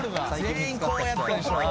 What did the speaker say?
全員こうやってる。